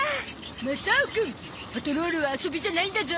マサオくんパトロールは遊びじゃないんだゾ。